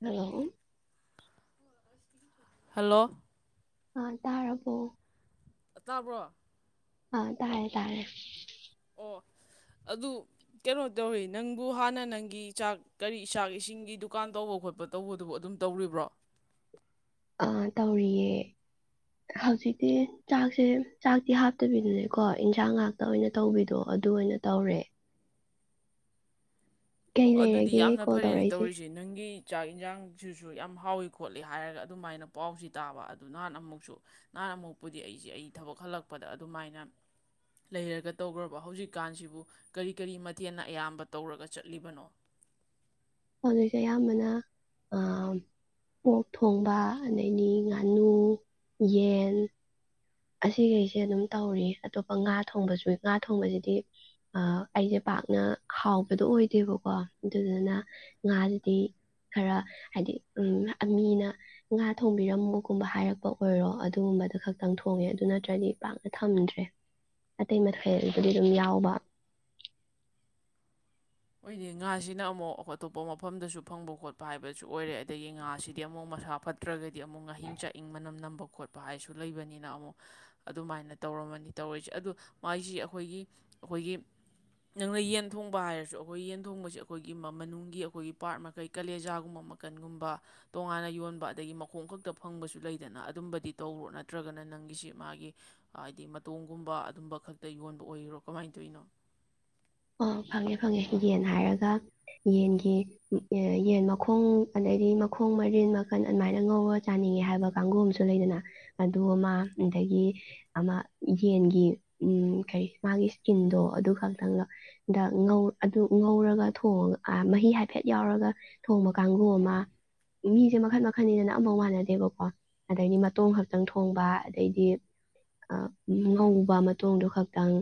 hello hello ꯑ ꯇꯔꯥꯔꯕꯣ ꯇꯥꯕ꯭ꯔꯣ ꯑꯥ ꯇꯥꯔꯦ ꯇꯥꯔꯦ ꯑꯣ ꯑꯗꯨ ꯀꯩꯅꯣ ꯇꯧꯋꯤ ꯅꯪꯕꯨ ꯍꯥꯟꯅ ꯅꯪꯒꯤ ꯆꯥꯛ ꯀꯔꯤ ꯆꯥꯛ ꯏꯁꯤꯡꯒꯤ ꯗꯨꯀꯥꯟ ꯇꯧꯕ ꯈꯣꯠꯄ ꯇꯧꯕꯗꯨꯕꯨ ꯑꯗꯨꯝ ꯇꯧꯔꯤꯕ꯭ꯔꯣ ꯑꯥ ꯇꯧꯔꯤꯌꯦ ꯍꯧꯖꯤꯛꯇꯤ ꯆꯥꯛꯁꯦ ꯆꯥꯛꯇꯤ ꯍꯥꯞꯇꯕꯤꯗꯨꯅꯦꯀꯣ ꯏꯟꯁꯥꯡ ꯉꯥꯛꯇ ꯑꯣꯏꯅ ꯇꯧꯕꯤꯗꯣ ꯑꯗꯨ ꯑꯣꯏꯅ ꯇꯧꯔꯦ ꯑꯣ ꯀꯩ ꯑꯗꯨꯗꯤ ꯂꯩꯔꯒꯦ ꯌꯥꯝꯅ ꯀꯣꯜ ꯐꯔꯦꯅꯦ ꯇꯧꯔꯛꯏꯁꯦ ꯇꯧꯔꯤꯁꯦ ꯅꯪꯒꯤ ꯆꯥꯛ ꯌꯦꯟꯁꯥꯡꯁꯤꯁꯨ ꯌꯥꯝ ꯍꯥꯎꯏ ꯈꯣꯠꯂꯤ ꯍꯥꯏꯔꯒ ꯑꯗꯨꯃꯥꯏꯅ ꯄꯥꯎꯁꯤ ꯇꯥꯕ ꯑꯗꯨ ꯅꯍꯥꯟ ꯑꯃꯨꯛꯁꯨ ꯅꯍꯥꯟ ꯑꯃꯨꯛꯄꯨꯗꯤ ꯑꯩꯁꯦ ꯑꯩ ꯊꯕꯛ ꯍꯜꯂꯛꯄꯗ ꯑꯗꯨꯃꯥꯏꯅ ꯂꯩꯔꯒ ꯇꯧꯈ꯭ꯔꯕ ꯍꯧꯖꯤꯛꯀꯥꯟꯁꯤꯕꯨ ꯀꯔꯤ ꯀꯔꯤ ꯃꯊꯦꯜꯅ ꯑꯌꯥꯝꯕ ꯇꯧꯔꯒ ꯆꯠꯂꯤꯕꯅꯣ ꯑꯗꯨꯗꯒꯤ ꯑꯌꯥꯝꯕꯅ ꯑꯣꯣꯛ ꯊꯣꯡꯕ ꯑꯗꯩꯗꯤ ꯉꯥꯅꯨ ꯌꯦꯟ ꯑꯁꯤꯈꯩꯁꯦ ꯑꯗꯨꯝ ꯇꯧꯔꯤ ꯑꯇꯣꯞꯄ ꯉꯥ ꯊꯣꯡꯕꯁꯨꯏ ꯉꯥ ꯊꯣꯡꯕꯁꯤꯗꯤ ꯑꯩꯁꯦ ꯄꯥꯛꯅ ꯍꯥꯎꯕꯗꯣ ꯑꯣꯏꯗꯦꯕꯀꯣ ꯑꯗꯨꯗꯨꯅ ꯉꯥꯁꯤꯗꯤ ꯈꯔ ꯍꯥꯏꯗꯤ ꯃꯤꯅ ꯉꯥ ꯊꯣꯡꯕꯤꯔꯝꯕꯒꯨꯝꯕ ꯍꯥꯏꯔꯛꯄ ꯑꯣꯏꯔꯣ ꯑꯗꯨꯒꯨꯝꯕꯗꯨ ꯈꯛꯇꯪ ꯊꯣꯡ ꯍꯣꯡꯉꯦ ꯑꯗꯨ ꯅꯠꯇ꯭ꯔꯗꯤ ꯄꯥꯛꯅ ꯊꯝꯗ꯭ꯔꯦ ꯑꯇꯩ ꯃꯊꯦꯜꯕꯨꯗꯤ ꯑꯗꯨꯝ ꯌꯥꯎꯕ ꯑꯣꯏꯗꯤ ꯉꯥꯁꯤꯅ ꯑꯃꯨꯛ ꯑꯇꯣꯞꯄ ꯃꯐꯝꯗꯁꯨ ꯐꯪꯕ ꯈꯣꯠꯄ ꯍꯥꯏꯕꯁꯨ ꯑꯣꯏꯔꯦ ꯑꯗꯒꯤ ꯉꯥꯁꯤꯗꯤ ꯑꯃꯨꯛ ꯃꯁꯥ ꯐꯠꯇ꯭ꯔꯒꯗꯤ ꯑꯃꯨꯛ ꯉꯥꯍꯤꯡ ꯆꯥꯛꯏꯪ ꯃꯅꯝ ꯅꯝꯕ ꯈꯣꯠꯄ ꯍꯥꯏꯁꯨ ꯂꯩꯕꯅꯤꯅ ꯑꯃꯨꯛ ꯑꯗꯨꯃꯥꯏꯅ ꯇꯧꯔꯝꯃꯅꯤ ꯇꯧꯔꯤꯁꯦ ꯑꯗꯨꯗꯣ ꯃꯥꯏꯁꯤ ꯑꯩꯈꯣꯏꯒꯤ ꯑꯩꯈꯣꯏꯒꯤ ꯅꯪꯅ ꯌꯦꯟ ꯊꯣꯡꯕ ꯍꯥꯏꯔꯁꯨ ꯑꯩꯈꯣꯏ ꯌꯦꯟ ꯊꯣꯡꯕꯁꯦ ꯑꯩꯈꯣꯏꯒꯤ ꯃꯅꯨꯡꯒꯤ ꯑꯩꯈꯣꯏꯒꯤ ꯄꯥꯔꯠ ꯃꯈꯩ ꯀꯂꯦꯖꯥꯒꯨꯝꯕ ꯃꯈꯟꯒꯨꯝꯕ ꯇꯣꯉꯥꯟꯅ ꯌꯣꯟꯕ ꯑꯗꯒꯤ ꯃꯈꯣꯡ ꯈꯛꯇ ꯐꯪꯕꯁꯨ ꯂꯩꯗꯅ ꯑꯗꯨꯝꯕꯗꯤ ꯇꯧꯔꯣ ꯅꯠꯇ꯭ꯔꯒꯅ ꯅꯪꯒꯤꯁꯤ ꯃꯥꯒꯤ ꯍꯥꯏꯗꯤ ꯃꯇꯣꯡꯒꯨꯝꯕ ꯑꯗꯨꯝꯕ ꯈꯛꯇ ꯌꯣꯟꯕ ꯑꯣꯏꯔꯣ ꯀꯃꯥꯏꯅ ꯇꯧꯔꯤꯅꯣ ꯑꯣ ꯐꯪꯉꯦ ꯐꯪꯉꯦ ꯌꯦꯟ ꯍꯥꯏꯔꯒ ꯌꯦꯟꯒꯤ ꯌꯦꯟ ꯃꯈꯣꯡ ꯑꯗꯩꯗꯤ ꯃꯈꯣꯡ ꯃꯔꯤꯟ ꯃꯈꯟ ꯑꯗꯨꯃꯥꯏꯅ ꯉꯧꯔ ꯆꯥꯅꯤꯡꯉꯦ ꯍꯥꯏꯕ ꯀꯥꯡꯕꯨ ꯑꯃꯁꯨ ꯂꯩꯗꯅ ꯑꯗꯨ ꯑꯃ ꯑꯗꯒꯤ ꯑꯃ ꯌꯦꯟꯒꯤ ꯎ ꯀꯩ ꯃꯥꯒꯤ ꯏꯁꯀꯤꯟꯗꯣ ꯑꯗꯨ ꯈꯛꯇꯪꯒ ꯗꯧ ꯑꯗꯨ ꯉꯧꯔꯒ ꯊꯣꯡꯉꯒ ꯃꯍꯤ ꯍꯥꯏꯐꯦꯠ ꯌꯥꯎꯔꯒ ꯊꯣꯡꯕ ꯀꯥꯡꯕꯨꯨ ꯑꯃ ꯃꯤꯁꯦ ꯃꯈꯟ ꯃꯈꯟꯅꯤꯗꯅ ꯑꯝꯐꯧ ꯃꯥꯟꯅꯗꯦꯕꯀꯣ ꯑꯗꯩꯗꯤ ꯃꯇꯣꯡ ꯈꯛꯇꯪ ꯊꯣꯡꯕ ꯑꯗꯩꯗꯤ ꯉꯧꯕ ꯃꯇꯣꯡꯗꯨ ꯈꯛꯇꯪ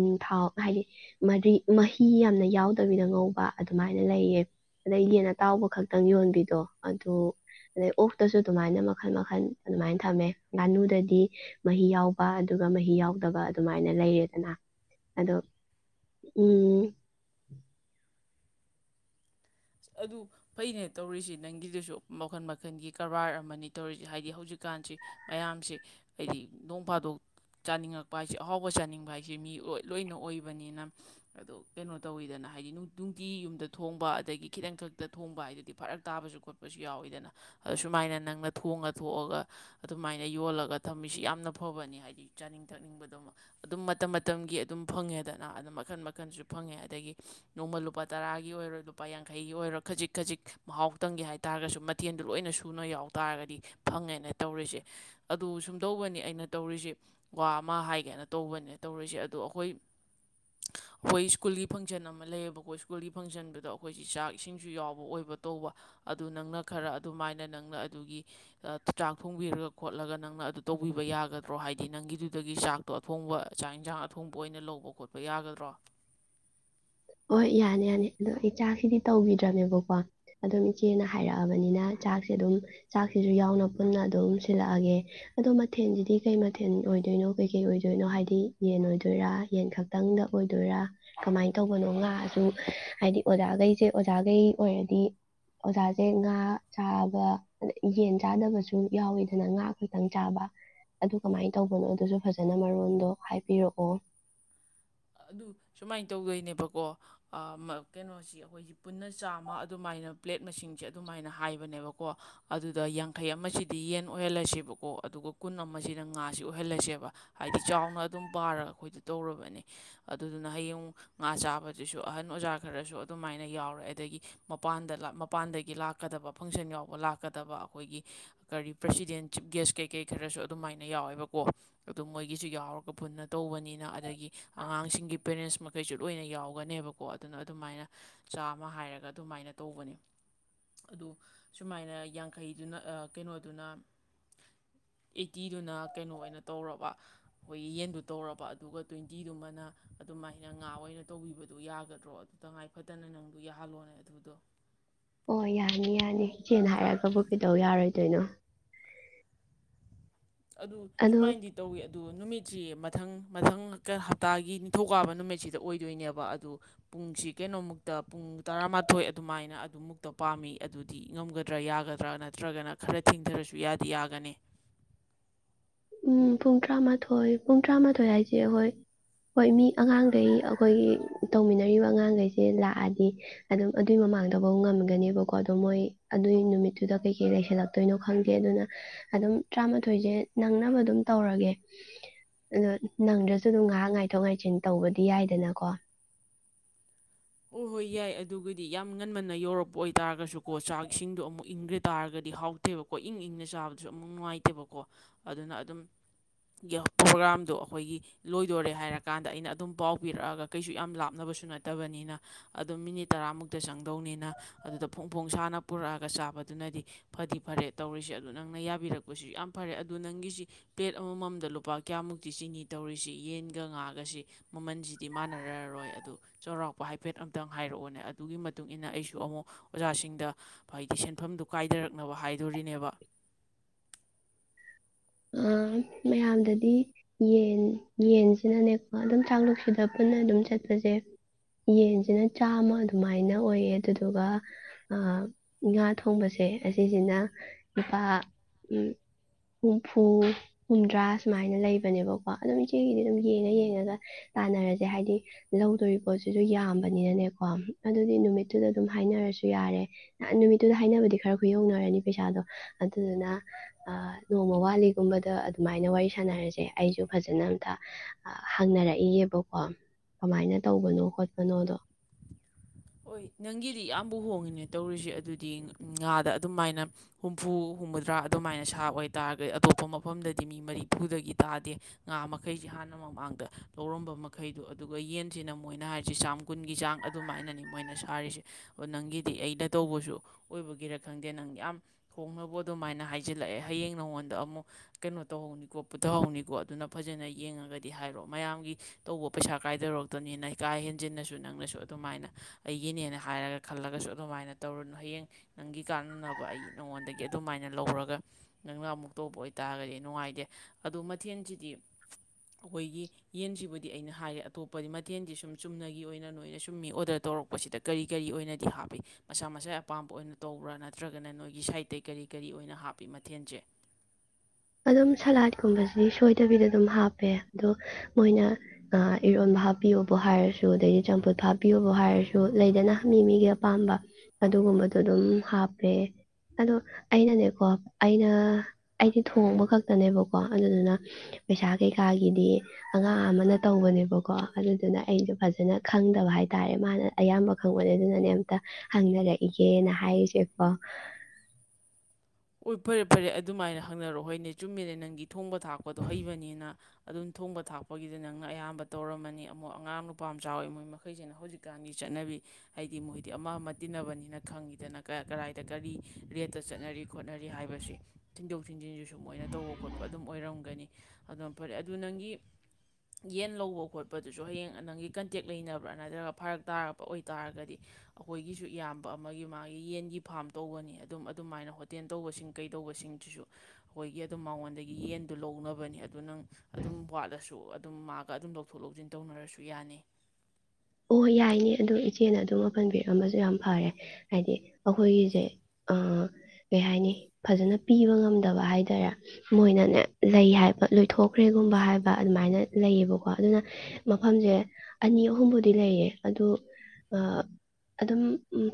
ꯎ ꯊꯥꯎ ꯍꯥꯏꯗꯤ ꯃꯔꯤ ꯃꯍꯤ ꯌꯥꯝꯅ ꯌꯥꯎꯗꯕꯤꯗ ꯉꯧꯕ ꯑꯗꯨꯃꯥꯏꯅ ꯂꯩꯌꯦ ꯑꯗꯩ ꯌꯦꯟꯟꯅ ꯑꯇꯥꯎꯕ ꯈꯛꯇꯪ ꯌꯣꯟꯕꯤꯗꯣ ꯑꯗꯨ ꯑꯗꯩ ꯑꯣꯛꯇꯁꯨ ꯑꯗꯨꯃꯥꯏꯅ ꯃꯈꯜ ꯃꯈꯜ ꯑꯗꯨꯃꯥꯏꯅ ꯊꯝꯃꯦ ꯉꯥꯅꯨꯗꯗꯤ ꯃꯍꯤ ꯌꯥꯎꯕ ꯑꯗꯨꯒ ꯃꯍꯤ ꯌꯥꯎꯗꯕ ꯑꯗꯨꯃꯥꯏꯅ ꯂꯩꯔꯦꯗꯅ ꯑꯗꯣ ꯎꯝ ꯁ ꯑꯗꯨ ꯐꯩꯅꯦ ꯇꯧꯔꯤꯁꯤ ꯅꯪꯒꯤꯗꯨꯁꯨ ꯃꯈꯜ ꯃꯈꯜꯒꯤ ꯀꯔꯕꯥꯔ ꯑꯃꯅꯤ ꯇꯧꯔꯤꯁꯤ ꯍꯥꯏꯗꯤ ꯍꯧꯖꯤꯛꯀꯥꯟꯁꯤ ꯃꯌꯥꯝꯁꯦ ꯍꯥꯏꯗꯤ ꯅꯣꯡ ꯐꯥꯗꯣꯛ ꯆꯥꯅꯤꯡꯉꯛꯄ ꯍꯥꯏꯁꯦ ꯑꯍꯥꯎꯕ ꯆꯥꯅꯤꯡꯕ ꯍꯥꯏꯁꯦ ꯃꯤ ꯂꯣꯏ ꯂꯣꯏꯅ ꯑꯣꯏꯕꯅꯤꯅ ꯑꯗꯣ ꯀꯩꯅꯣ ꯇꯧꯋꯤꯗꯅ ꯍꯥꯏꯗꯤ ꯅꯨꯡꯇꯤ ꯌꯨꯝꯗ ꯊꯣꯡꯕ ꯑꯗꯒꯤ ꯈꯤꯇꯪꯈꯛꯇ ꯊꯣꯡꯕ ꯍꯥꯏꯗꯨꯗꯤ ꯐꯔꯛ ꯇꯥꯕꯁꯨ ꯈꯣꯠꯄꯁꯨ ꯌꯥꯎꯋꯤꯗꯅ ꯑꯗꯣ ꯁꯨꯃꯥꯏꯅ ꯅꯪꯅ ꯊꯣꯡꯉ ꯊꯣꯛꯑꯒ ꯑꯗꯨꯃꯥꯏꯅ ꯌꯣꯜꯂꯒ ꯊꯝꯃꯤꯁꯤ ꯌꯥꯝꯅ ꯐꯕꯅꯤ ꯍꯥꯏꯗꯤ ꯆꯥꯅꯤꯡ ꯊꯛꯅꯤꯡꯕꯗꯃ ꯑꯗꯨꯝ ꯃꯇꯝ ꯃꯇꯝꯒꯤ ꯑꯗꯨꯝ ꯐꯪꯉꯦꯗꯅ ꯑꯗꯨꯝ ꯃꯈꯟ ꯃꯈꯜꯁꯨ ꯐꯪꯉꯦ ꯑꯗꯒꯤ ꯅꯣꯡꯃ ꯂꯨꯄꯥ ꯇꯔꯥꯒꯤ ꯑꯣꯏꯔꯣ ꯂꯨꯄꯥ ꯌꯥꯩ ꯀꯩꯒꯤ ꯑꯣꯏꯔꯣ ꯈꯖꯤꯛ ꯈꯖꯤꯛ ꯃꯍꯥꯎ ꯇꯪꯒꯦ ꯍꯥꯏꯇꯥꯔꯒꯁꯨ ꯃꯊꯦꯜꯗꯣ ꯂꯣꯏꯅ ꯁꯨꯅ ꯌꯥꯎ ꯇꯥꯔꯒꯗꯤ ꯐꯪꯉꯦꯅ ꯇꯧꯔꯤꯁꯦ ꯑꯗꯨ ꯁꯨꯝ ꯇꯧꯕꯅꯤ ꯑꯩꯅ ꯇꯧꯔꯤꯁꯦ ꯋꯥ ꯑꯃ ꯍꯥꯏꯒꯦꯅ ꯇꯧꯕꯅꯦ ꯇꯧꯔꯤꯁꯦ ꯑꯗꯣ ꯑꯩꯈꯣꯏ ꯑꯩꯈꯣꯏ ꯁ꯭ꯀꯨꯜꯒꯤ ꯐꯪꯁꯟ ꯑꯃ ꯂꯩꯌꯦꯕꯀꯣ ꯁ꯭ꯀꯨꯜꯒꯤ ꯐꯪꯁꯟꯗꯨꯗ ꯑꯩ ꯑꯩꯈꯣꯏꯁꯤ ꯆꯥꯛ ꯏꯁꯤꯡꯁꯨ ꯌꯥꯎꯕ ꯑꯣꯏꯕ ꯇꯧꯕ ꯑꯗꯨ ꯅꯪꯅ ꯈꯔ ꯑꯗꯨꯃꯥꯏꯅ ꯅꯪꯅ ꯑꯗꯨꯒꯤ ꯆꯥꯛ ꯊꯣꯡꯕꯤꯔꯒ ꯈꯣꯠꯂꯒ ꯅꯪꯅ ꯑꯗꯨ ꯇꯧꯕꯤꯕ ꯌꯥꯒꯗ꯭ꯔꯣ ꯍꯥꯏꯗꯤ ꯅꯪꯒꯤꯗꯨꯗꯒꯤ ꯆꯥꯛꯇꯣ ꯑꯊꯣꯡꯕ ꯆꯥꯛ ꯏꯟꯁꯥꯡ ꯑꯊꯣꯡꯕ ꯑꯣꯏꯅ ꯂꯧꯕ ꯈꯣꯠꯄ ꯌꯥꯒꯗ꯭ꯔꯣ ꯍꯣꯏ ꯌꯥꯅꯤ ꯌꯥꯅꯤ ꯑꯗꯣ ꯑꯩ ꯆꯥꯛꯁꯤꯗꯤ ꯇꯧꯕꯈꯤꯗ꯭ꯔꯕꯅꯦꯕꯀꯣ ꯑꯗꯨꯝ ꯏꯆꯦꯅ ꯍꯥꯏꯔꯛꯑꯕꯅꯤꯅ ꯆꯥꯛꯁꯦ ꯑꯗꯨꯝ ꯆꯥꯛꯁꯤꯁꯨ ꯌꯥꯎꯅ ꯄꯨꯟꯅ ꯑꯗꯨꯝ ꯁꯤꯜꯂꯛꯑꯒꯦ ꯑꯗꯣ ꯃꯊꯦꯜꯁꯤꯗꯤ ꯀꯩ ꯃꯊꯦꯜ ꯑꯣꯏꯗꯣꯏꯅꯣ ꯀꯩꯀꯩ ꯑꯣꯏꯗꯣꯏꯅꯣ ꯍꯥꯏꯗꯤ ꯌꯦꯟ ꯑꯣꯏꯗꯣꯏꯔꯥ ꯌꯦꯟ ꯈꯛꯇꯪꯗ ꯑꯣꯏꯗꯣꯏꯔꯥ ꯀꯃꯥꯏꯅ ꯇꯧꯕꯅꯣ ꯉꯥꯁꯨ ꯍꯥꯏꯗꯤ ꯑꯣꯖꯥꯈꯩꯁꯦ ꯑꯣꯖꯥꯈꯩ ꯑꯣꯏꯔꯗꯤ ꯑꯣꯖꯥꯁꯦ ꯉꯥ ꯆꯥꯕ ꯌꯦꯟ ꯆꯥꯗꯕꯁꯨ ꯌꯥꯎꯋꯤꯗꯅ ꯉꯥ ꯈꯛꯇꯪ ꯆꯥꯕ ꯑꯗꯨ ꯀꯃꯥꯏꯅ ꯇꯧꯕꯅꯣ ꯑꯗꯨꯁꯨ ꯐꯖꯅ ꯃꯔꯣꯟꯗꯣ ꯍꯥꯏꯕꯤꯔꯛꯑꯣ ꯑꯗꯨ ꯁꯨꯃꯥꯏꯅ ꯇꯧꯗꯣꯏꯅꯦꯕꯀꯣ ꯀꯩꯅꯣꯁꯤ ꯑꯩꯈꯣꯏꯁꯤ ꯄꯨꯟꯅ ꯆꯥꯝꯃ ꯑꯗꯨꯃꯥꯏꯅ ꯄ꯭ꯂꯦꯠ ꯃꯁꯤꯡꯁ ꯑꯗꯨꯃꯥꯏꯅ ꯍꯥꯏꯕꯅꯦꯕꯀꯣ ꯑꯗꯨꯗ ꯌꯥꯡꯈꯩ ꯑꯃꯁꯤꯗꯤ ꯌꯦꯟ ꯑꯣꯏꯍꯜꯂꯁꯦꯕꯀꯣ ꯑꯗꯨꯒ ꯀꯨꯟ ꯑꯃꯁꯤꯗ ꯉꯥꯥꯁ ꯑꯣꯏꯍꯜꯂꯁꯦꯕ ꯍꯥꯏꯗꯤ ꯆꯥꯎꯅ ꯑꯗꯨꯝ ꯄꯥꯔꯒ ꯑꯩꯈꯣꯏꯗ ꯇꯧꯨꯔꯕꯅꯦ ꯑꯗꯨꯗꯨꯅ ꯍꯌꯦꯡ ꯉꯥ ꯆꯥꯕꯗꯨꯁꯨ ꯑꯍꯟ ꯑꯣꯖꯥ ꯈꯔꯁꯨ ꯑꯗꯨꯃꯥꯏꯅ ꯌꯥꯎꯔꯦ ꯑꯗꯒꯤ ꯃꯄꯥꯟꯗ ꯃꯄꯥꯟꯗꯒꯤ ꯂꯥꯛꯀꯗꯕ ꯐꯪꯁꯟ ꯌꯥꯎꯕ ꯂꯥꯛꯀꯗꯕ ꯑꯩꯈꯣꯏꯒꯤ ꯀꯔꯤ ꯄ꯭ꯔꯁꯤꯗꯦꯟꯁꯤꯞ ꯒꯦꯁ ꯀꯩꯀꯩ ꯈꯔꯁꯨ ꯑꯗꯨꯃꯥꯏꯅ ꯌꯥꯎꯋꯦꯕꯀꯣ ꯑꯗꯨ ꯃꯣꯏꯒꯤꯁꯨ ꯌꯥꯎꯔꯒ ꯄꯨꯟꯅ ꯇꯧꯕꯅꯤꯅ ꯑꯗꯒꯤ ꯑꯉꯥꯡꯁꯤꯡꯒꯤ ꯄꯦꯔꯦꯟꯁ ꯃꯈꯩꯁꯨ ꯂꯣꯏꯅ ꯌꯥꯎꯒꯅꯦꯕꯀꯣ ꯑꯗꯨꯅ ꯑꯗꯨꯃꯥꯏꯅ ꯆꯥꯃ ꯍꯥꯏꯔꯒ ꯑꯗꯨꯃꯥꯏꯅ ꯇꯧꯧꯕꯅꯤ ꯑꯗꯨ ꯁꯨꯃꯥꯏꯅ ꯌꯥꯡꯈꯩꯗꯨꯅ ꯀꯩꯅꯣꯗꯨꯅ ꯑꯩꯠꯇꯤꯗꯨꯅ ꯀꯩꯅꯣ ꯑꯣꯏꯅ ꯇꯧꯔꯕ ꯑꯩꯈꯣꯏꯒꯤ ꯌꯦꯟꯗꯨ ꯇꯧꯔꯕ ꯑꯗꯨꯒ ꯇ꯭ꯋꯦꯟꯇꯤꯗꯨꯃꯅ ꯑꯗꯨꯃꯥꯏꯅ ꯉꯥ ꯑꯣꯏꯅ ꯇꯧꯕꯤꯕꯗꯣ ꯌꯥꯒꯗ꯭ꯔꯣ ꯑꯗꯨ ꯇꯉꯥꯏꯐꯗꯅ ꯅꯪꯗ ꯌꯥꯍꯜꯂꯣꯅꯦ ꯑꯗꯨꯗꯣ ꯑꯣ ꯌꯥꯅꯤ ꯌꯥꯅꯤ ꯁꯦꯅ ꯍꯥꯏꯔꯒꯕꯨ ꯀꯩꯗꯧ ꯌꯥꯔꯣꯏꯗꯣꯏꯅꯣ ꯑꯗꯨ ꯑꯗꯣ ꯁꯨꯃꯥꯏꯅꯗꯤ ꯇꯧꯏꯤ ꯑꯗꯨ ꯅꯨꯃꯤꯠꯁꯤ ꯃꯊꯪ ꯃꯊꯪ ꯍꯞꯇꯥꯒꯤ ꯅꯤꯡꯊꯧꯀꯥꯕ ꯅꯨꯃꯤꯠꯁꯤꯗ ꯑꯣꯏꯗꯣꯏꯅꯦꯕ ꯑꯗꯨ ꯄꯨꯡꯁꯤ ꯀꯩꯅꯣꯃꯨꯛꯇ ꯄꯨꯡ ꯇꯔꯥꯃꯥꯊꯣꯏ ꯑꯗꯨꯃꯥꯏꯅ ꯑꯗꯨ ꯃꯨꯛꯇ ꯄꯥꯝꯃꯤ ꯑꯗꯨꯗꯤ ꯉꯝꯒꯗ꯭ꯔꯥ ꯌꯥꯒꯗ꯭ꯔꯥ ꯅꯠꯇ꯭ꯔꯒꯅ ꯈꯔ ꯊꯤꯡꯊꯔꯁꯨ ꯌꯥꯗꯤ ꯌꯥꯒꯅꯤ ꯎꯝ ꯄꯨꯡ ꯇꯔꯥꯃꯥꯊꯣꯏ ꯄꯨꯡ ꯇꯔꯥꯃꯥꯊꯣꯏ ꯍꯥꯏꯁꯦ ꯍꯣꯏ ꯍꯣꯏ ꯃꯤ ꯑꯉꯥꯡꯈꯩ ꯑꯩꯈꯣꯏꯒꯤ ꯇꯧꯃꯤꯟꯅꯔꯤꯕ ꯑꯉꯥꯡꯈꯩꯁꯦ ꯂꯥꯛꯑꯗꯤ ꯑꯗꯨꯝ ꯑꯗꯨꯏ ꯃꯃꯥꯡꯗꯐꯥꯎ ꯉꯝꯒꯅꯦꯕꯀꯣ ꯑꯗꯣ ꯃꯣꯏ ꯑꯗꯨꯏ ꯅꯨꯃꯤꯠꯇꯨꯗ ꯀꯩꯀꯩ ꯂꯩꯁꯜꯂꯛꯇꯣꯏꯅꯣ ꯈꯪꯗꯦ ꯑꯗꯨꯅ ꯑꯗꯨꯝ ꯇꯔꯥꯃꯥꯊꯣꯏꯁꯦ ꯅꯪꯅ ꯆꯅꯕ ꯑꯗꯨꯝ ꯇꯧꯔꯒꯦ ꯑꯗꯣ ꯅꯪꯗ꯭ꯔꯁꯨ ꯑꯗꯨꯝ ꯉꯥꯏꯍꯥꯛ ꯉꯥꯏꯊꯣꯛ ꯉꯥꯏꯁꯤꯟ ꯇꯧꯕꯗꯤ ꯌꯥꯏꯗꯅꯀꯣ ꯑꯣ ꯍꯣꯏ ꯌꯥꯏ ꯑꯗꯨꯒꯗꯤ ꯌꯥꯝ ꯉꯟꯃꯟꯅ ꯌꯧꯔꯛꯄ ꯑꯣꯏꯇꯥꯥꯔꯒꯁꯨꯀꯣ ꯆꯥꯛ ꯏꯁꯤꯡꯗꯣ ꯑꯃꯨꯛ ꯏꯪꯈ꯭ꯔꯦ ꯇꯥꯔꯒꯗꯤ ꯍꯥꯎꯇꯦꯕꯀꯣ ꯏꯪ ꯏꯪꯅ ꯆꯥꯕꯗꯁꯨ ꯑꯃꯨꯛ ꯅꯨꯡꯉꯥꯏꯇꯦꯕꯀꯣ ꯑꯗꯨꯅ ꯑꯗꯨꯝ ꯄ꯭ꯔꯣꯒ꯭ꯔꯥꯝꯗꯣ ꯑꯩꯈꯣꯏꯒꯤ ꯂꯣꯏꯗꯣꯔꯦ ꯍꯥꯏꯔꯀꯥꯟꯗ ꯑꯩꯅ ꯑꯗꯨꯝ ꯄꯥꯎ ꯄꯤꯔꯛꯑꯒ ꯀꯩꯁꯨ ꯌꯥꯝ ꯂꯥꯞꯅꯕꯁꯨ ꯅꯠꯇꯕꯅꯤꯅ ꯑꯗꯨꯝ ꯃꯤꯅꯤꯠ ꯇꯔꯥꯃꯨꯛꯇ ꯆꯪꯗꯧꯅꯤꯅ ꯑꯗꯨꯗ ꯐꯣꯡ ꯐꯣꯡ ꯁꯥꯅ ꯄꯨꯔꯛꯑꯒ ꯆꯥꯕꯗꯨꯅꯗꯤ ꯐꯗꯤ ꯐꯔꯦ ꯇꯧꯔꯤꯁꯤ ꯑꯗꯨ ꯅꯪꯅ ꯌꯥꯕꯤꯔꯛꯄꯁꯨ ꯌꯥꯝ ꯐꯔꯦ ꯑꯗꯨ ꯅꯪꯒꯤꯁꯤ ꯄ꯭ꯂꯦꯠ ꯑꯃꯃꯝꯗ ꯂꯨꯄꯥ ꯀꯌꯥꯃꯨꯛꯇꯤ ꯆꯤꯅꯤ ꯇꯧꯔꯤꯁꯤ ꯌꯦꯟꯒ ꯉꯥꯒꯁꯤ ꯃꯃꯜꯁꯤꯗꯤ ꯃꯥꯟꯅꯔꯔꯣꯏ ꯑꯗꯨ ꯆꯥꯎꯔꯥꯛꯄ ꯍꯥꯏꯕ ꯍꯥꯏꯐꯦꯠ ꯑꯝꯇꯪ ꯍꯥꯏꯔꯛꯑꯣꯅꯦ ꯑꯗꯨꯒꯤ ꯃꯇꯨꯡ ꯃꯇꯨꯡꯏꯟꯅ ꯑꯩꯁꯨ ꯑꯃꯨꯛ ꯑꯣꯖꯥꯁꯤꯡꯗ ꯍꯥꯏꯗꯤ ꯁꯦꯟꯐꯝꯗꯨ ꯀꯥꯏꯊꯔꯛꯅꯕ ꯍꯥꯏꯗꯣꯔꯤꯅꯦꯕ ꯃꯌꯥꯝꯗꯗꯤ ꯌꯦꯟ ꯌꯦꯟꯁꯤꯅꯅꯦꯀꯣ ꯑꯗꯨꯝ ꯆꯥꯛꯁꯤꯗ ꯄꯨꯟꯅ ꯑꯗꯨꯝ ꯆꯠꯄꯁꯦ ꯌꯦꯟꯁꯤꯅ ꯆꯥꯝꯃ ꯑꯗꯨꯃꯥꯏꯅ ꯑꯣꯏꯌꯦ ꯑꯗꯨꯗꯨꯒ ꯉꯥ ꯊꯣꯡꯕꯁꯦ ꯑꯁꯤꯁꯤꯅ ꯏꯄꯥ ꯍꯨꯝꯐꯨ ꯍꯨꯝꯗ꯭ꯔꯥ ꯁꯨꯃꯥꯏꯅ ꯂꯩꯕꯅꯦꯕꯀꯣ ꯑꯗꯨꯝ ꯏꯆꯦꯒꯤꯗꯤ ꯑꯗꯨꯝ ꯌꯦꯡꯉ ꯌꯦꯡꯉꯒ ꯇꯥꯟꯅꯔꯁꯦ ꯍꯥꯏꯗꯤ ꯂꯧꯗꯣꯔꯤ ꯄꯣꯠꯁꯤꯁꯨ ꯌꯥꯝꯕꯅꯤꯅꯅꯦꯀꯣ ꯑꯗꯨꯗꯤ ꯅꯨꯃꯤꯠꯇꯨꯗ ꯑꯗꯨꯝ ꯍꯥꯏꯅꯔꯁꯨ ꯌꯥꯔꯦ ꯅꯨꯃꯤꯠꯇꯨꯗ ꯍꯥꯏꯅꯕꯗꯤ ꯈꯔ ꯈꯨꯌꯧꯅꯔꯅꯤ ꯄꯩꯁꯥꯗꯣ ꯑꯗꯨꯗꯨꯅ ꯅꯣꯡꯃ ꯋꯥꯠꯂꯤꯒꯨꯝꯕꯗ ꯑꯗꯨꯃꯥꯏꯅ ꯋꯥꯔꯤ ꯁꯥꯟꯅꯔꯁꯦ ꯑꯩꯁꯨ ꯐꯖꯅ ꯑꯝꯇ ꯍꯪꯅꯔꯛꯏꯌꯦꯕꯀꯣ ꯀꯃꯥꯏꯅ ꯇꯧꯕꯅꯣ ꯈꯣꯠꯄꯅꯣꯗꯣ ꯍꯣꯏ ꯅꯪꯒꯤꯗꯤ ꯌꯥꯝꯕꯨ ꯍꯣꯡꯉꯤꯅꯦ ꯇꯧꯔꯤꯁꯦ ꯑꯗꯨꯗꯤ ꯉꯥꯗ ꯑꯗꯨꯃꯥꯏꯅ ꯍꯨꯝꯐꯨ ꯍꯨꯝꯐꯨꯇꯔꯥ ꯑꯗꯨꯃꯥꯏꯅ ꯁꯥꯕ ꯑꯣꯏꯇꯥꯥꯔꯒꯗꯤ ꯑꯇꯣꯞꯄ ꯃꯐꯝꯗꯗꯤ ꯃꯤ ꯃꯔꯤꯐꯨꯗꯒꯤ ꯇꯥꯗꯦ ꯉꯥ ꯃꯈꯩꯁꯤ ꯍꯥꯟꯅ ꯃꯃꯥꯡꯗ ꯂꯧꯔꯝꯕ ꯃꯈꯩꯗꯣ ꯑꯗꯨꯒ ꯌꯦꯟꯁꯤꯅ ꯃꯣꯏꯅ ꯍꯥꯏꯔꯤꯁꯤ ꯆꯥꯝ ꯀꯨꯟꯒꯤ ꯆꯥꯡ ꯑꯗꯨꯃꯥꯏꯅꯅꯤ ꯃꯣꯏꯅ ꯁꯥꯔꯤꯁꯦ ꯑ ꯅꯪꯒꯤꯗꯤ ꯑꯩꯅ ꯇꯧꯕꯁꯨ ꯑꯣꯏꯕꯒꯤꯔ ꯈꯪꯗꯦ ꯅꯪ ꯌꯥꯝ ꯍꯣꯡꯅꯕꯕꯨ ꯑꯗꯨꯃꯥꯏꯅ ꯍꯥꯏꯖꯤꯜꯂꯛꯑꯦ ꯍꯌꯦꯡ ꯅꯉꯣꯟꯗ ꯑꯃꯨꯛ ꯀꯩꯅꯣ ꯇꯧꯍꯧꯅꯤꯀꯣ ꯄꯨꯊꯍꯧꯅꯤꯀꯣ ꯑꯗꯨꯅ ꯐꯖꯅ ꯌꯦꯡꯉꯒꯗꯤ ꯍꯥꯏꯔꯛꯑꯣ ꯃꯌꯥꯝꯒꯤ ꯇꯧꯕ ꯄꯩꯁꯥ ꯀꯥꯏꯗꯔꯛꯇꯅꯤꯅ ꯀꯥ ꯍꯦꯟꯖꯤꯟꯅꯁꯨ ꯅꯪꯅꯁꯨ ꯑꯗꯨꯃꯥꯏꯅ ꯑꯩꯒꯤꯅꯦꯅ ꯍꯥꯏꯔꯒ ꯈꯜꯂꯒꯁꯨ ꯑꯗꯨꯃꯥꯏꯅ ꯇꯧꯔꯅꯨ ꯍꯌꯦꯡ ꯅꯪꯒꯤ ꯀꯥꯟꯅꯅꯕ ꯑꯩ ꯅꯉꯣꯟꯗꯒꯤ ꯑꯗꯨꯃꯥꯏꯅ ꯂꯧꯔꯒ ꯅꯪꯅ ꯑꯃꯨꯛ ꯇꯧꯕ ꯑꯣꯏꯇꯥꯔꯒꯗꯤ ꯅꯨꯡꯉꯥꯏꯇꯦ ꯑꯗꯨꯗ ꯃꯊꯦꯜꯁꯤꯗꯤ ꯑꯩꯈꯣꯏꯒꯤ ꯌꯦꯟꯁꯤꯕꯨꯗꯤ ꯑꯩꯅ ꯍꯥꯏꯔ ꯑꯇꯣꯞꯄꯗꯤ ꯃꯊꯦꯜꯗꯤ ꯁꯨꯝ ꯆꯨꯝꯅꯒꯤ ꯑꯣꯏꯅ ꯅꯣꯏꯅ ꯁꯨꯝ ꯃꯤ ꯑꯣꯗꯔ ꯇꯧꯔꯛꯄ ꯄꯁꯤꯗ ꯀꯔꯤ ꯀꯔꯤ ꯑꯣꯏꯅꯗꯤ ꯍꯥꯞꯄꯤ ꯃꯁꯥ ꯃꯁꯥꯒꯤ ꯑꯄꯥꯝꯕ ꯑꯣꯏꯅ ꯇꯧꯕ꯭ꯔꯥ ꯅꯠꯇ꯭ꯔꯒꯅ ꯅꯣꯏꯒꯤ ꯁꯥꯏꯠꯇꯇꯩꯒꯤ ꯀꯔꯤ ꯀꯔꯤ ꯑꯣꯏꯅ ꯍꯥꯞꯄꯤ ꯃꯊꯦꯜꯁꯦ ꯑꯗꯨꯝ ꯁꯂꯥꯠꯀꯨꯝꯕꯁꯤꯗꯤ ꯁꯣꯏꯗꯕꯤꯗ ꯑꯗꯨꯝ ꯍꯥꯞꯄꯦ ꯑꯗꯣ ꯃꯣꯏꯅ ꯏꯔꯣꯟꯕ ꯍꯥꯞꯄꯤꯌꯣꯕꯨ ꯍꯥꯏꯔꯁꯨ ꯑꯗꯩꯗꯤ ꯆꯝꯐꯨꯠ ꯍꯥꯞꯄꯤꯌꯣꯕꯨ ꯍꯥꯏꯔꯁꯨ ꯂꯩꯗꯅ ꯃꯤ ꯃꯤꯒꯤ ꯑꯄꯥꯝꯕ ꯑꯗꯨꯒꯨꯝꯕꯗꯣ ꯑꯗꯨꯝ ꯍꯥꯞꯄꯦ ꯑꯗꯣ ꯑꯩꯅꯅꯦꯀꯣ ꯑꯩꯅꯗꯤ ꯊꯣꯡꯕ ꯈꯛꯇꯅꯦꯕꯀꯣ ꯑꯗꯨꯗꯨꯅ ꯄꯩꯁꯥ ꯀꯩꯀꯥꯒꯤꯗꯤ ꯑꯉꯥꯡ ꯑꯃꯅ ꯇꯧꯕꯅꯦꯕꯀꯣ ꯑꯗꯨꯗꯨꯅ ꯑꯩꯁꯨ ꯐꯖꯅ ꯈꯪꯗꯕ ꯍꯥꯏ ꯇꯥꯔꯦ ꯃꯥꯅ ꯑꯌꯥꯝꯕ ꯈꯪꯕꯅꯦ ꯑꯗꯨꯅꯅꯦ ꯑꯝꯇ ꯍꯪꯅꯔꯛꯏꯒꯦꯅ ꯍꯥꯏꯔꯤꯁꯦꯀꯣ ꯑꯣ ꯐꯔꯦ ꯐꯔꯦ ꯑꯗꯨꯃꯥꯏꯅ ꯍꯪꯅꯔꯛꯑꯣ ꯍꯣꯏꯅꯦ ꯆꯨꯝꯃꯤꯅꯦ ꯅꯪꯒꯤ ꯊꯣꯡꯕ ꯊꯥꯛꯄꯗꯣ ꯍꯩꯕꯅꯤꯅ ꯑꯗꯨꯝ ꯊꯣꯡꯕ ꯊꯥꯛꯄꯒꯤꯗ ꯅꯪꯅ ꯑꯌꯥꯝꯕ ꯇꯧꯔꯝꯃꯅꯤ ꯑꯃꯨꯛ ꯑꯉꯥꯡ ꯅꯨꯄꯥ ꯑꯃ ꯆꯥꯎꯋꯤ ꯃꯣꯏ ꯃꯈꯩꯁꯤꯅ ꯍꯧꯖꯤꯛꯀꯥꯟꯒꯤ ꯆꯠꯅꯕꯤ ꯍꯥꯏꯗꯤ ꯃꯣꯏꯗꯤ ꯑꯃ ꯑꯃ ꯇꯤꯟꯅꯕꯅꯤꯅ ꯈꯪꯉꯤꯗꯅ ꯀꯗꯥꯏꯗ ꯀꯔꯤ ꯔꯦꯠꯇ ꯆꯠꯅꯔꯤ ꯈꯣꯠꯅꯔꯤ ꯍꯥꯏꯕꯁꯤ ꯊꯤꯟꯗꯣꯛ ꯊꯤꯟꯖꯤꯟꯁꯨꯁꯨ ꯃꯣꯏꯅ ꯇꯧꯕ ꯈꯣꯠꯄ ꯑꯗꯨꯝ ꯑꯣꯏꯔꯝꯒꯅꯤ ꯑꯗꯨꯅ ꯐꯔꯦ ꯑꯗꯨ ꯅꯪꯒꯤ ꯌꯦꯟ ꯂꯧꯕ ꯈꯣꯠꯄꯗꯨꯁꯨ ꯍꯌꯦꯡ ꯅꯪꯒꯤ ꯀꯟꯇꯦꯛ ꯂꯩꯅꯕ꯭ꯔꯥ ꯅꯠꯇ꯭ꯔꯒ ꯐꯔꯛ ꯇꯥꯔꯛꯄ ꯑꯣꯏꯇꯥꯥꯔꯒꯗꯤ ꯑꯩꯈꯣꯏꯒꯤꯁꯨ ꯏꯌꯥꯝꯕ ꯑꯃꯒꯤ ꯃꯥꯒꯤ ꯌꯦꯟꯒꯤ ꯐꯥꯝ ꯇꯧꯕꯒꯅꯤ ꯑꯗꯨꯝ ꯑꯗꯨꯃꯥꯏꯅ ꯇꯦꯟ ꯇꯧꯕꯁꯤꯡ ꯀꯩ ꯇꯧꯕꯁꯤꯡꯗꯨꯁꯨ ꯑꯩꯈꯣꯏꯒꯤ ꯑꯗꯨꯝ ꯃꯉꯣꯟꯗꯒꯤ ꯌꯦꯟꯗꯨ ꯂꯧꯅꯕꯅꯦ ꯑꯗꯨ ꯅꯪ ꯑꯗꯨꯝ ꯋꯥꯠꯂꯁꯨ ꯑꯗꯨꯝ ꯃꯥꯒ ꯑꯗꯨꯝ ꯂꯧꯊꯣꯛ ꯂꯧꯁꯤꯟ ꯇꯧꯅꯔꯁꯨ ꯌꯥꯅꯤ ꯑꯣ ꯌꯥꯏꯅꯦ ꯑꯗꯨꯗꯣ ꯏꯆꯦꯅ ꯑꯗꯨꯝ ꯃꯄꯟ ꯄꯤꯔꯛꯑꯝꯕꯁꯨ ꯌꯥꯝ ꯐꯔꯦ ꯍꯥꯏꯗꯤ ꯑꯩꯈꯣꯏꯒꯤꯁꯦ ꯀꯩ ꯍꯥꯏꯅꯤ ꯐꯖꯅ ꯄꯤꯕ ꯉꯝꯗꯕ ꯍꯥꯏ ꯇꯔꯦ ꯃꯣꯏꯅꯅꯦ ꯂꯩ ꯍꯥꯏꯕ ꯂꯣꯏꯊꯣꯛꯈ꯭ꯔꯦꯒꯨꯝꯕ ꯍꯥꯏꯕ ꯑꯗꯨꯃꯥꯏꯅ ꯂꯩꯌꯦꯕꯀꯣ ꯑꯗꯨꯅ ꯃꯐꯝꯁꯦ ꯑꯅꯤ ꯑꯍꯨꯝꯕꯨ ꯗꯤ ꯂꯩꯌꯦꯦ ꯑꯗꯨ ꯑꯗꯨꯝ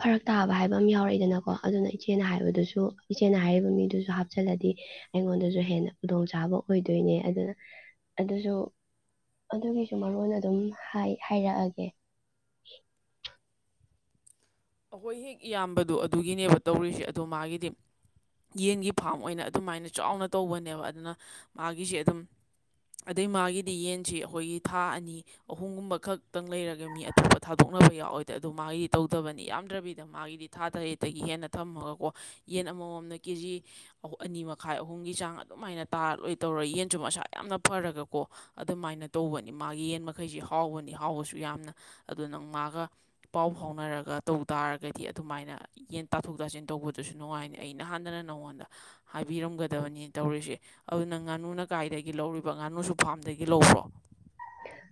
ꯐꯔꯛ ꯇꯥꯕ ꯍꯥꯏꯕ ꯑꯃ ꯌꯥꯎꯔꯛꯏꯗꯅꯀꯣ ꯑꯗꯨꯅ ꯏꯆꯦꯅ ꯍꯥꯏꯕꯗꯨꯁꯨ ꯏꯆꯦꯅ ꯍꯥꯏꯔꯤꯕ ꯃꯤꯗꯨꯁꯨ ꯍꯥꯞꯆꯤꯜꯂꯗꯤ ꯑꯩꯉꯣꯟꯗꯁꯨ ꯍꯦꯟꯅ ꯈꯨꯗꯣꯡꯆꯥꯥꯕ ꯑꯣꯏꯗꯣꯏꯅꯦ ꯑꯗꯨꯅ ꯑꯗꯨꯁꯨ ꯑꯗꯨꯒꯤꯁꯨ ꯃꯔꯣꯟ ꯑꯗꯨꯝ ꯍꯥꯏꯔꯛꯑꯒꯦ ꯑꯩꯈꯣꯏ ꯍꯦꯛ ꯏꯌꯥꯝꯕꯗꯣ ꯑꯗꯨꯒꯤꯅꯦꯕ ꯇꯧꯔꯤꯁꯦ ꯑꯗꯣ ꯃꯥꯒꯤꯗꯤ ꯌꯦꯟꯒꯤ ꯐꯥꯝ ꯑꯣꯏꯅ ꯑꯗꯨꯃꯥꯏꯅ ꯆꯥꯎꯅ ꯇꯧꯕꯅꯦꯕ ꯑꯗꯨꯅ ꯃꯥꯒꯤꯁꯤ ꯑꯗꯨꯝ ꯑꯗꯩ ꯃꯥꯒꯤꯗꯤ ꯌꯦꯟꯁꯤ ꯑꯩꯈꯣꯏꯒꯤ ꯊꯥ ꯑꯅꯤ ꯑꯍꯨꯝꯒꯨꯝꯕ ꯈꯛꯇꯪ ꯂꯩꯔꯒ ꯃꯤ ꯑꯇꯣꯞꯄ ꯊꯥꯗꯣꯛꯅꯕ ꯌꯥꯎꯑꯣꯣꯏꯗ ꯑꯗꯨ ꯃꯥꯒꯤꯗꯤ ꯇꯧꯗꯕꯅꯤ ꯌꯥꯝꯗ꯭ꯔꯕꯤꯗ ꯃꯥꯒꯤꯗꯤ ꯊꯥ ꯇꯔꯦꯠꯇꯒꯤ ꯍꯦꯟꯅ ꯊꯝꯃꯒꯀꯣ ꯌꯦꯟ ꯑꯃꯃꯝꯅ ꯀꯦꯖꯤ ꯑꯅꯤ ꯃꯈꯥꯏ ꯑꯍꯨꯝꯒꯤ ꯆꯥꯡ ꯑꯗꯨꯃꯥꯏꯅ ꯇꯥꯔ ꯂꯣꯏ ꯇꯧꯔ ꯌꯦꯟꯁꯨ ꯃꯁꯥ ꯌꯥꯝꯅ ꯐꯔꯒꯀꯣ ꯑꯗꯨꯃꯥꯏꯅ ꯇꯧꯕꯅꯤ ꯃꯥꯒꯤ ꯌꯦꯟ ꯃꯈꯩꯁꯤ ꯍꯥꯎꯕꯅꯤ ꯍꯥꯎꯕꯁꯨ ꯌꯥꯝꯅ ꯑꯗꯨ ꯅꯪ ꯃꯥꯒ ꯄꯥꯎ ꯐꯥꯎꯅꯔꯒ ꯇꯧ ꯇꯥꯔꯒꯗꯤ ꯑꯗꯨꯃꯥꯏꯅ ꯌꯦꯟ ꯇꯥꯊꯣꯛ ꯇꯥꯁꯤꯟ ꯇꯧꯕꯗꯨꯁꯨ ꯅꯨꯡꯉꯥꯏꯅꯤ ꯑꯩꯅꯍꯥꯟꯗꯅ ꯅꯉꯣꯟꯗ ꯍꯥꯏꯕꯤꯔꯝꯒꯗꯕꯅꯤꯅ ꯇꯧꯔꯤꯁꯦ ꯑꯗꯨꯅ ꯉꯥꯅꯨꯅ ꯀꯥꯏꯗꯒꯤ ꯂꯧꯔꯤꯕ ꯉꯥꯅꯨꯁꯨ ꯐꯥꯝꯗꯒꯤ ꯂꯧꯕ꯭ꯔꯣ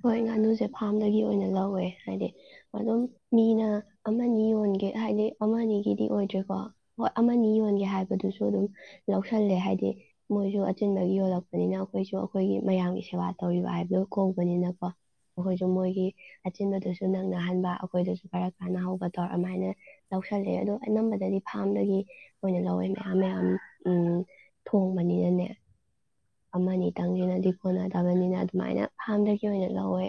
ꯍꯣꯏ ꯉꯥꯅꯨꯁꯦ ꯐꯥꯔꯝꯗꯒꯤ ꯑꯣꯏꯅ ꯂꯧꯋꯦ ꯍꯥꯏꯗꯤ ꯑꯗꯨꯝ ꯃꯤꯅ ꯑꯃꯅꯤ ꯌꯣꯟꯒꯦ ꯍꯥꯏꯗꯤ ꯑꯃ ꯑꯒꯤꯗꯤ ꯑꯣꯏꯗ꯭ꯔꯦꯀꯣ ꯍꯣꯏ ꯑꯃꯅꯤ ꯌꯣꯟꯒꯦ ꯍꯥꯏꯕꯗꯨꯁꯨ ꯑꯗꯨꯝ ꯂꯧꯁꯜꯂꯦ ꯍꯥꯏꯗꯤ ꯃꯣꯏꯁꯨ ꯑꯆꯤꯟꯕꯒꯤ ꯌꯣꯜꯂꯛꯄꯅꯤꯅ ꯑꯩꯈꯣꯏꯁꯨ ꯑꯩꯈꯣꯏꯒꯤ ꯃꯌꯥꯝꯒꯤ ꯁꯦꯕꯥ ꯇꯧꯔꯤꯕ ꯍꯥꯏꯕꯗꯨ ꯈꯣꯡ ꯅꯤꯅꯀꯣ ꯑꯩꯈꯣꯏꯁꯨ ꯃꯣꯏꯒꯤ ꯑꯆꯤꯟꯕꯗꯨꯁꯨ ꯅꯪꯅꯍꯟꯕ ꯑꯩꯈꯣꯏꯗꯁꯨ ꯈꯔ ꯀꯥꯟꯅꯍꯧꯕ ꯇꯧꯔ ꯑꯗꯨꯃꯥꯏꯅ ꯂꯧꯁꯜꯂꯛꯑꯦ ꯑꯗꯣ ꯑꯅꯝꯕꯗꯗꯤ ꯐꯥꯔꯝꯗꯒꯤ ꯃꯣꯏꯅ ꯂꯧꯋꯦ ꯃꯌꯥꯝ ꯃꯌꯥꯝ ꯎ ꯊꯣꯡꯕꯅꯤꯅꯅꯦ ꯑꯃꯅꯤꯇꯪꯅꯤꯅꯗꯤ ꯀꯣꯟꯅꯗꯕꯅꯤꯅ ꯑꯗꯨꯃꯥꯏꯅ ꯐꯍꯥꯝꯗꯒꯤ ꯑꯣꯏꯅ ꯂꯧꯋꯦ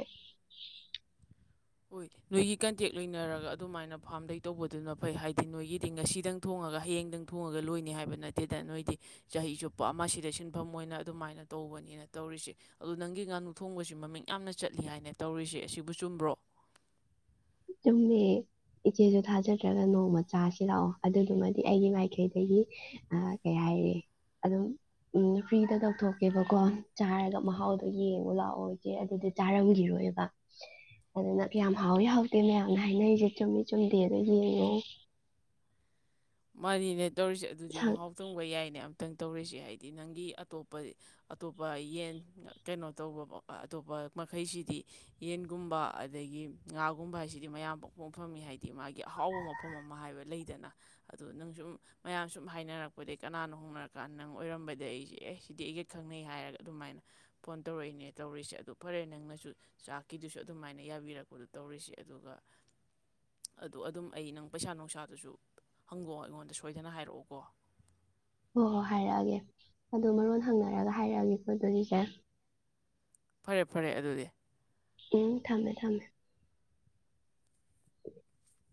ꯍꯣꯏ ꯅꯣꯏꯒꯤ ꯀꯟꯇꯦꯛ ꯂꯣꯏꯅꯔꯒ ꯑꯗꯨꯃꯥꯏꯅ ꯐꯥꯝꯗꯩ ꯇꯧꯕꯗꯨꯅ ꯐꯩ ꯍꯥꯏꯗꯤ ꯅꯣꯏꯒꯤꯗꯤ ꯉꯁꯤꯗꯪ ꯊꯣꯡꯉꯒ ꯍꯌꯦꯡꯗꯪ ꯊꯣꯡꯉꯒ ꯂꯣꯏꯅꯤ ꯍꯥꯏꯕ ꯅꯠꯇꯦꯗ ꯅꯣꯏꯗꯤ ꯆꯍꯤ ꯆꯨꯞꯄ ꯑꯃ ꯁꯤꯗ ꯁꯤꯟꯐꯝ ꯑꯣꯏꯅ ꯑꯗꯨꯃꯥꯏꯅ ꯇꯧꯕꯅꯤꯅ ꯇꯧꯔꯤꯁꯦ ꯑꯗ ꯅꯪꯒꯤ ꯉꯥꯅꯨ ꯊꯣꯡꯕꯁꯤ ꯃꯃꯤꯡ ꯌꯥꯝꯅ ꯆꯠꯂꯤ ꯍꯥꯏꯅ ꯇꯧꯔꯤꯁꯦ ꯑꯁꯤꯕꯨ ꯆꯨꯝꯕ꯭ꯔꯣ ꯆꯨꯝꯃꯦ ꯏꯆꯦꯁꯨ ꯊꯥꯖꯗ꯭ꯔꯒ ꯅꯣꯡꯃ ꯆꯥꯁꯤ ꯂꯥꯛꯑꯣ ꯑꯗꯨꯗꯨꯃꯗꯤ ꯑꯩꯒꯤ ꯃꯥꯏꯀꯩꯗꯒꯤ ꯀꯩ ꯍꯥꯏꯔꯦ ꯑꯗꯨꯝ ꯐ꯭ꯔꯤꯗ ꯇꯧꯊꯣꯛꯀꯦꯕꯀꯣ ꯆꯥꯔꯒ ꯃꯍꯥꯎꯗꯣ ꯌꯦꯡꯉꯣ ꯂꯥꯛꯑꯣ ꯏꯆꯦ ꯑꯗꯨꯗꯤ ꯆꯥꯔꯝꯈꯤꯔꯣꯏꯕ ꯑꯗꯨꯅ ꯀꯌꯥꯝ ꯍꯥꯎꯋꯤ ꯍ ꯃꯌꯥꯝꯅ ꯍꯥꯏꯅꯔꯤꯁꯦ ꯆꯨꯝꯃꯤ ꯆꯨꯝꯗꯦꯒ ꯌꯦꯡꯉꯣ ꯃꯔꯤ ꯇꯧꯔꯤꯁꯦ ꯑꯗꯨꯗꯤ ꯁꯪ ꯃꯍꯥꯎ ꯇꯣꯡꯕ ꯌꯥꯏꯅꯦ ꯑꯝꯇ ꯈꯤꯇꯪ ꯇꯧꯔꯤꯁꯦ ꯍꯥꯏꯗꯤ ꯅꯪꯒꯤ ꯑꯇꯣꯞꯄ ꯑꯇꯣꯞꯄ ꯌꯦꯟ ꯀꯩꯅꯣ ꯇꯧꯕ ꯑꯇꯣꯞꯄ ꯃꯈꯩꯁꯤꯗꯤ ꯌꯦꯟꯒꯨꯝꯕ ꯑꯗꯒꯤ ꯉꯥꯒꯨꯝꯕ ꯍꯥꯏꯁꯤꯗꯤ ꯃꯌꯥꯝ ꯄꯣꯛꯄ ꯃꯐꯝꯅꯤ ꯍꯥꯏꯗꯤ ꯃꯥꯒꯤ ꯑꯍꯥꯎꯕ ꯃꯐꯝ ꯑꯃ ꯍꯥꯏꯕ ꯂꯩꯗꯅ ꯑꯗꯨꯗꯣ ꯅꯪ ꯁꯨꯝ ꯃꯌꯥꯝ ꯁꯨꯝ ꯍꯥꯏꯅꯔꯛꯄꯗꯒꯤꯩ ꯀꯅꯥꯅꯣ ꯍꯣꯡꯅꯔꯀꯥꯟꯗ ꯅꯪ ꯑꯣꯏꯔꯝꯕꯗ ꯑꯩꯁꯦ ꯑꯦ ꯁꯤꯗꯤ ꯑꯩꯒ ꯈꯪꯅꯩ ꯍꯥꯏꯔꯒ ꯑꯗꯨꯃꯥꯏꯅ ꯐꯣꯟ ꯇꯧꯔꯛꯏꯅꯦ ꯇꯧꯔꯤꯁꯦ ꯑꯗꯨ ꯐꯔꯦ ꯅꯪꯅꯁꯨ ꯆꯥꯛꯀꯤꯗꯨꯁꯨ ꯑꯗꯨꯃꯥꯏꯅ ꯌꯥꯕꯤꯔꯛꯄꯗꯨꯣ ꯇꯧꯔꯤꯁꯦ ꯑꯗꯨꯒ ꯑꯗꯨ ꯑꯗꯨꯝ ꯑꯩ ꯅꯪ ꯄꯩꯁꯥ ꯅꯨꯡꯁꯥꯗꯨꯁꯨ ꯍꯪꯉꯣꯑꯣ ꯑꯩꯉꯣꯟꯗ ꯁꯣꯏꯗꯅ ꯍꯥꯏꯔꯛꯑꯣꯀꯣ ꯍꯣꯏ ꯍꯣꯏ ꯍꯥꯏꯔꯛꯑꯒꯦ ꯑꯣ ꯃꯔꯣꯟ ꯍꯪꯅꯔꯒ ꯍꯥꯏꯔꯛꯑꯒꯦꯀ ꯑꯗꯨꯒꯤ ꯈꯔ ꯐꯔꯦ ꯐꯔꯦ ꯑꯗꯨꯗꯤ ꯎꯝ ꯊꯝꯃꯦ ꯊꯝꯃꯦ [unintelligible]